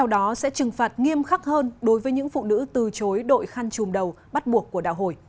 nó sẽ trừng phạt nghiêm khắc hơn đối với những phụ nữ từ chối đội khăn chùm đầu bắt buộc của đạo hội